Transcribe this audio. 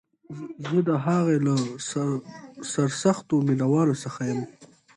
زه د هغه له سرسختو مینوالو څخه یم